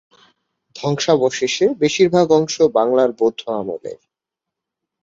ধ্বংসাবশেষের বেশির ভাগ অংশ বাংলার বৌদ্ধ আমলের।